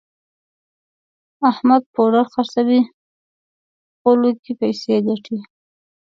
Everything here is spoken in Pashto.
احمد پوډر خرڅوي غولو کې پیسې ګټي.